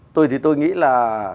tôi thì tôi nghĩ là